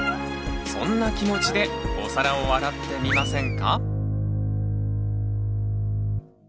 そんな気持ちでお皿を洗ってみませんか？